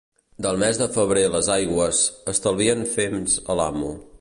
Del mes de febrer les aigües, estalvien fems a l'amo.